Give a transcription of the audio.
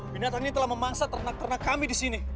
binatang ini telah memangsa ternak ternak kami di sini